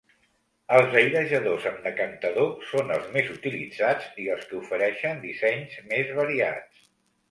Els airejadors amb decantador són els més utilitzats i els que ofereixen dissenys més variats.